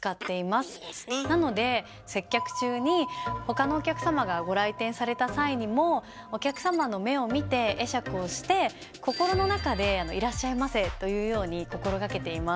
なので接客中に他のお客様がご来店された際にもお客様の目を見て会釈をして心の中で「いらっしゃいませ」と言うように心がけています。